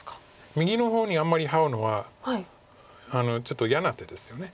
右の方にあんまりハウのはちょっと嫌な手ですよね。